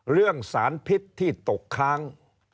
เรื่องสารพิษที่ตกค้าง